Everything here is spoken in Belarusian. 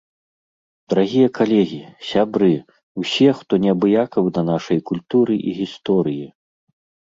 Дарагія калегі, сябры, усе, хто не абыякавы да нашай культуры і гісторыі!